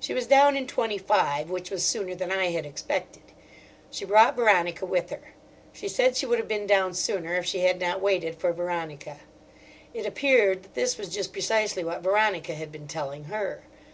She was down in twenty five, which was sooner than I had expected. She brought Veronica with her. She said she would have been down sooner if she had not waited for Veronica. It appeared that this was just precisely what Veronica had been telling her.